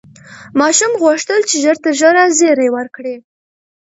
ماشوم غوښتل چې ژر تر ژره زېری ورکړي.